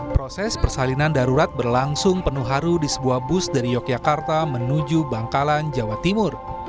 proses persalinan darurat berlangsung penuh haru di sebuah bus dari yogyakarta menuju bangkalan jawa timur